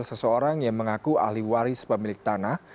seseorang yang mengaku ahli waris pemilik tanah